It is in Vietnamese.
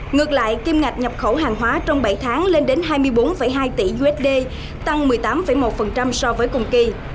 ngược lại kim ngạch nhập khẩu hàng hóa trong bảy tháng lên đến hai mươi bốn hai tỷ usd tăng một mươi tám một so với cùng kỳ